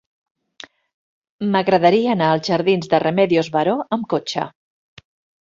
M'agradaria anar als jardins de Remedios Varó amb cotxe.